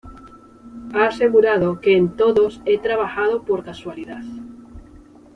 Ha asegurado que "en todos he trabajado por casualidad".